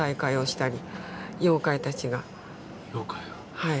はい。